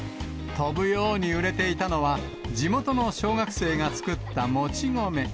飛ぶように売れていたのは、地元の小学生が作ったもち米。